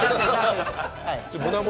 胸元